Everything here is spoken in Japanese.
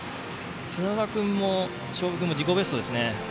砂田君も菖蒲君も自己ベストですね。